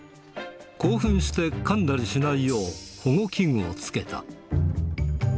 興奮して、かんだりしないよう、保護器具をつけた。